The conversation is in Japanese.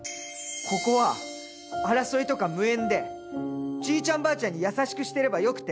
ここは争いとか無縁でじいちゃんばあちゃんに優しくしてればよくて。